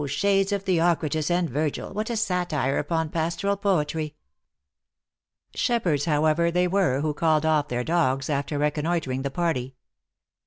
shades of Theocritus and Virgil, what a satire upon pastoral poetry !" Shepherds, however, they were, who called off their dogs, after reconnoitring the party.